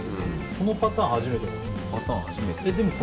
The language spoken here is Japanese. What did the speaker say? このパターンは初めて。